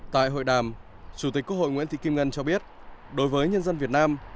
tại hội đàm chủ tịch quốc hội nguyễn thị kim ngân cho biết đối với nhân dân việt nam